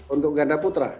untuk ganda putra